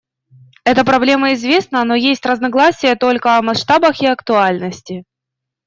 Это проблема известна, но есть разногласия только о масштабах и актуальности.